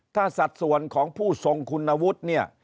ถ้าสัดส่วนของผู้ทรงคุณวุฒิเนี่ย